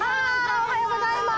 おはようございます。